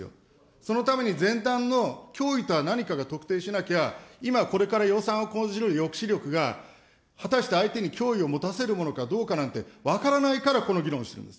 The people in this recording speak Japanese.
そのために前段の脅威とは何かが特定しなきゃ、今、これから予算を講じる抑止力が、果たして相手に脅威を持たせるものかどうかなんて分からないから、この議論をしてるんです。